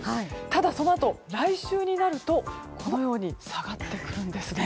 ただ、そのあと来週になると下がってくるんですね。